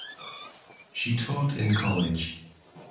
She taught in college.